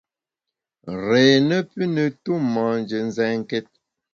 Réé ne pü ne tu manjé nzènkét !